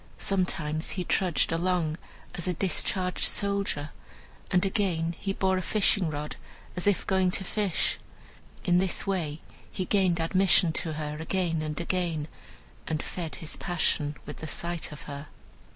Sometimes he trudged along as a discharged soldier, and again he bore a fishing rod, as if going to fish. In this way he gained admission to her again and again, and fed his passion with the sight of her.